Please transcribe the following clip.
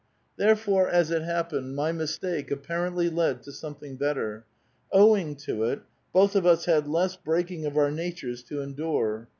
''Tlierefore, as it happened, my mistake apparently led to something better ; owing to it, both of us had less breaking of our natures to endure.